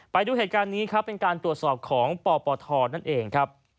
ไปดูเหตุการณ์นี้ครับเป็นการตรวจสอบของปปทนั่นเองครับ